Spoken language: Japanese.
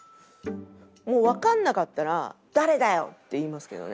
もう分かんなかったら「誰だよ」って言いますけどね。